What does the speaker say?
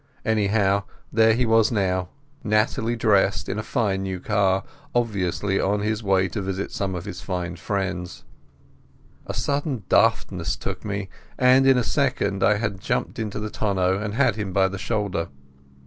Anyhow there he was now, nattily dressed, in a fine new car, obviously on his way to visit some of his smart friends. A sudden daftness took me, and in a second I had jumped into the tonneau and had him by the shoulder.